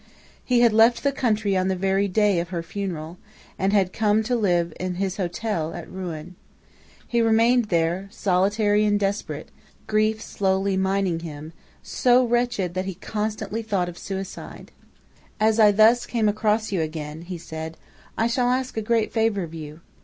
"He had left the country on the very day of her funeral, and had come to live in his hotel at Rouen. He remained there, solitary and desperate, grief slowly mining him, so wretched that he constantly thought of suicide. "'As I thus came across you again,' he said, 'I shall ask a great favor of you.